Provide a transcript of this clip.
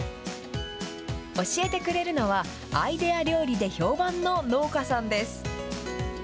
教えてくれるのは、アイデア料理で評判の農家さんです。